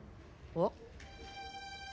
あっ！？